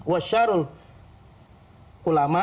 wa syarul ulama